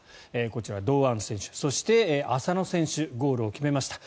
こちら、堂安選手そして、浅野選手がゴールを決めました。